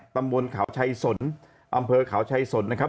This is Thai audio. ตำบลขาวชัยสนอำเภอขาวชัยสนนะครับ